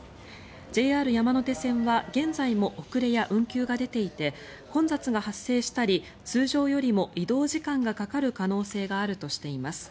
ＪＲ山手線は現在も遅れや運休が出ていて混雑が発生したり通常よりも移動時間がかかる可能性があるとしています。